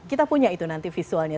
kita punya itu nanti visualnya